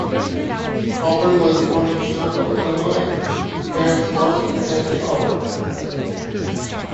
Auburn was born in Chicago, Illinois, to parents Mark and Sandy Auburn.